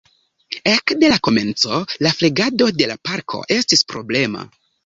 Ekde la komenco la flegado de la parko estis problema.